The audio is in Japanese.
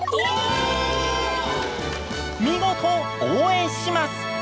見事「応援します」！